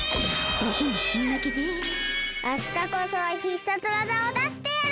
あしたこそは必殺技をだしてやる！